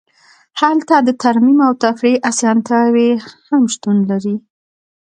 هلته د ترمیم او تفریح اسانتیاوې هم شتون لري